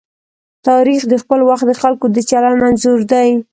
تاریخ د خپل وخت د خلکو د چلند انځور دی.